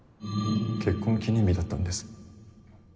結婚記念日だったんです。